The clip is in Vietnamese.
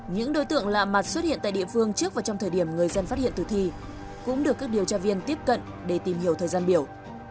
những đối tượng lạ mặt xuất hiện tại địa phương trước và trong thời điểm người dân phát hiện tử thi cũng được các điều tra viên tiếp cận để tìm hiểu thời gian biểu